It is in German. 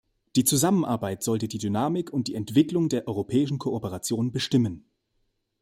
Die Zusammenarbeit sollte die Dynamik und die Entwicklung der europäischen Kooperation bestimmen.